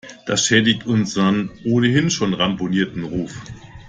Das schädigt unseren ohnehin schon ramponierten Ruf.